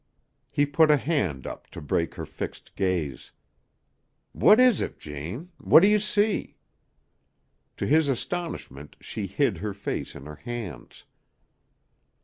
He put a hand up to break her fixed gaze. "What is it, Jane? What do you see?" To his astonishment she hid her face in her hands.